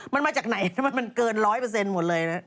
มันมาจากไหนนะมันเกิน๑๐๐เปอร์เซ็นต์หมดเลยนะ